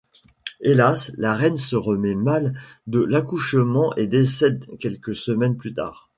Hélas, la reine se remet mal de l'accouchement et décède quelques semaines plus tard.